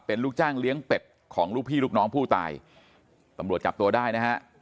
เป็นลูกจ้างเลี้ยงเป็ดของลูกพี่ลูกน้องผู้ตายตำรวจจับตัวได้นะฮะ